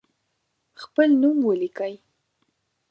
خپل نوم ولیکئ.